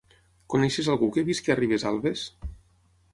Coneixes algú que visqui a Ribesalbes?